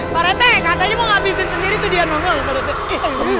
para itt katanya mau ngabisin sendiri tuh dia nongol